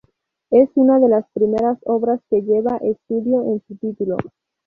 Es una de las primeras obras que lleva "estudio" en su título.